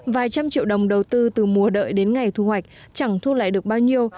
vài trăm triệu đồng đầu tư từ mùa đợi đến ngày thu hoạch chẳng thu lại được bao nhiêu